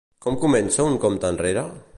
Com comença un compte enrere?